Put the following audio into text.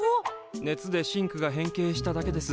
熱でシンクが変形しただけです。